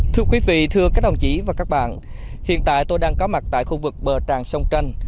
thưa quý vị thưa các đồng chí và các bạn hiện tại tôi đang có mặt tại khu vực bờ tràng sông tranh